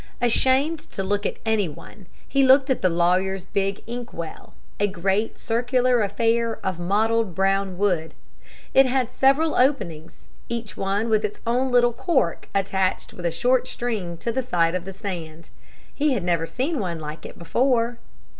Ashamed to look at any one, he looked at the lawyer's big ink well a great, circular affair of mottled brown wood. It had several openings, each one with its own little cork attached with a short string to the side of the stand. He had never seen one like it before.